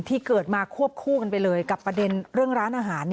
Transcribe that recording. เกิดมาควบคู่กันไปเลยกับประเด็นเรื่องร้านอาหาร